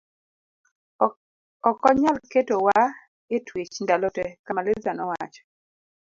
ok onyal keto wa e twech ndalo te, Kamaliza nowacho